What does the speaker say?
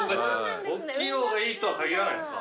おっきい方がいいとは限らないんすか？